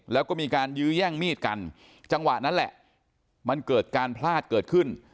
แล้วก็มีการยื้อแย่งมีดกันจังหวะนั้นแหละมันเกิดการพลาดเกิดขึ้น